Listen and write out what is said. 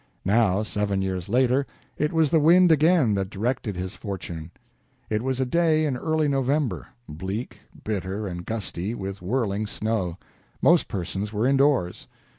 Now, seven years later, it was the wind again that directed his fortune. It was a day in early November bleak, bitter, and gusty, with whirling snow; most persons were indoors.